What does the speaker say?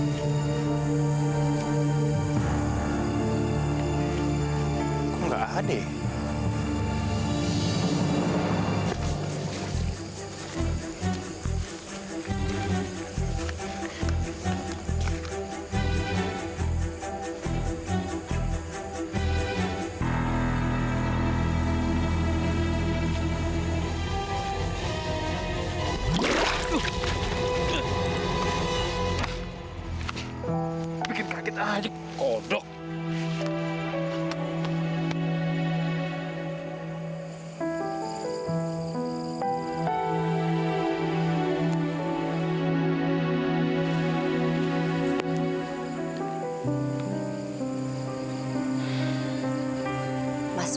aku udah mengatakan dirimu jika lagi penduduk tni